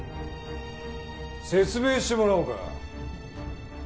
説明してもらおうか。